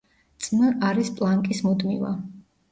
წმ არის პლანკის მუდმივა.